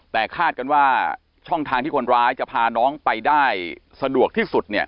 แต่คาดกันว่าช่องทางที่คนร้ายจะพาน้องไปได้สะดวกที่สุดเนี่ย